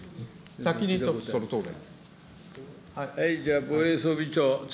先にちょっとその答弁。